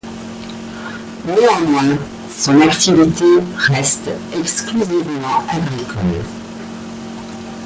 Néanmoins son activité reste exclusivement agricole.